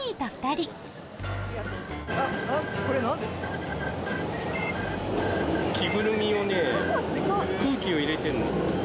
続いて着ぐるみをね空気を入れてるの。